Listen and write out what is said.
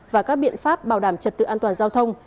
và các biện pháp bảo đảm trật tự an toàn giao thông